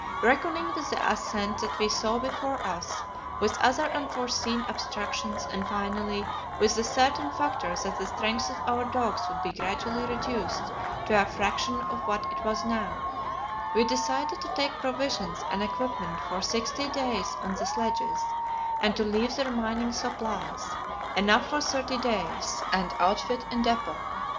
Reckoning with the ascent that we saw before us, with other unforeseen obstructions, and finally with the certain factor that the strength of our dogs would be gradually reduced to a fraction of what it now was, we decided to take provisions and equipment for sixty days on the sledges, and to leave the remaining supplies enough for thirty days and outfit in depot.